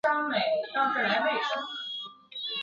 同年医疗大楼落成启用。